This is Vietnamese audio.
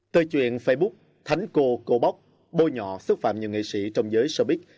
tời chuyện facebook thánh cô cô bóc bôi nhọ xúc phạm nhiều nghệ sĩ trong giới showbiz